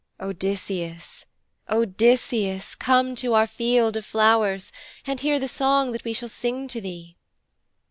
Odysseus, Odysseus, come to our field of flowers, and hear the song that we shall sing to thee."'